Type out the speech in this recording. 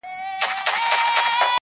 هر انسان لره معلوم خپل عاقبت وي -